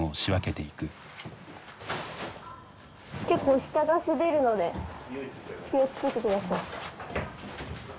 結構下が滑るので気をつけて下さい。